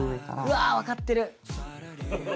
うわわかってる！